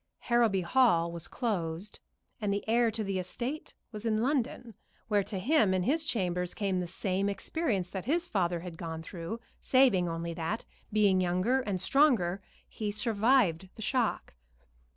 Harrowby Hall was closed, and the heir to the estate was in London, where to him in his chambers came the same experience that his father had gone through, saving only that, being younger and stronger, he survived the shock.